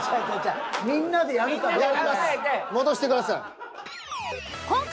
戻してください。